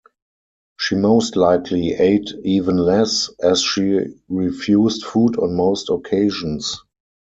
She most likely ate even less, as she refused food on most occasions.